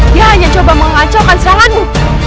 dia hanya coba mengacaukan seranganmu